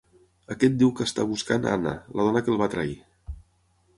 Aquest diu que està buscant Anna, la dona que el va trair.